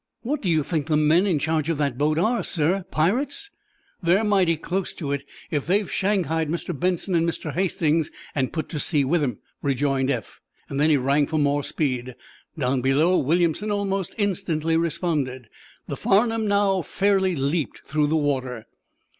"What do you think the men in charge of that boat are, sir—pirates?" "They're mighty close to it, if they've shanghaied Mr. Benson and Mr. Hastings and put to sea with 'em," rejoined Eph. Then he rang for more speed. Down below, Williamson almost instantly responded. The "Farnum" now fairly leaped through the water.